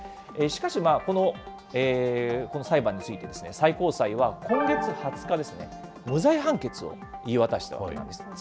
しかしまあ、この裁判についてですね、最高裁は今月２０日ですね、無罪判決を言い渡したわけなんです。